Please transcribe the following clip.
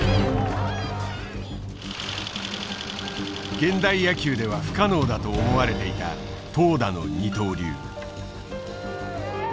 現代野球では不可能だと思われていた投打の二刀流。